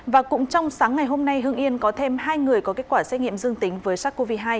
và cũng trong sáng ngày hôm nay hương yên có thêm hai người có kết quả xét nghiệm dương tính với sars cov hai